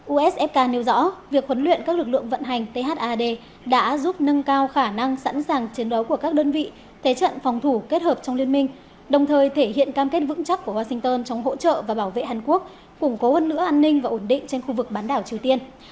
usfca nêu rõ việc huấn luyện các lực lượng vận hành thad đã giúp nâng cao khả năng sẵn sàng chiến đấu của các đơn vị thế trận phòng thủ kết hợp trong liên minh đồng thời thể hiện cam kết vững chắc của washington trong hỗ trợ và bảo vệ hàn quốc củng cố hơn nữa an ninh và ổn định trên khu vực bán đảo triều tiên